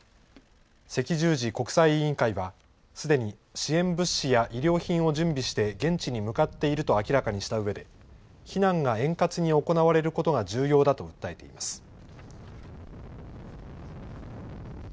赤十字国際委員会は、すでに支援物資や医療品を準備して、現地に向かっていると明らかにしたうえで、避難が円滑に行われることが重要だと訴えています。